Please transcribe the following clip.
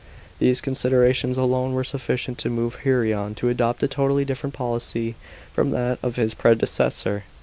These con siderations alone were sufficient to move Haurian to adopt a totally different policy from that of his predecessor.